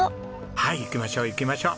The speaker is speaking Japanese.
はい行きましょう行きましょう。